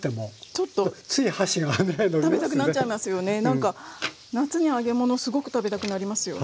何か夏に揚げ物すごく食べたくなりますよね。